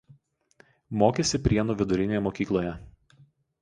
Mokėsi Prienų vidurinėje mokykloje.